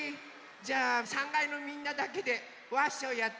じゃ３がいのみんなだけでワッショイやって。